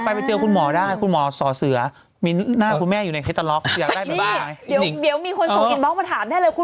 เปิดไปหน้าคุณแม่เปิดผันเลย